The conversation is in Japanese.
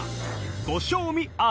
ご賞味あれ。